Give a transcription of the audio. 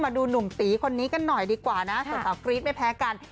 มาดูหนุ่มตีคนนี้กันหน่อยดีกว่านะส่วนสาวกรี๊ดไม่แพ้กัน